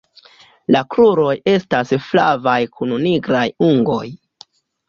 La kruroj estas flavaj kun nigraj ungoj.